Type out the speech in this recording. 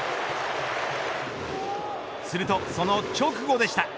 すると、その直後でした。